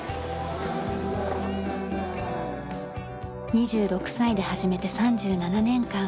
２６歳で始めて３７年間。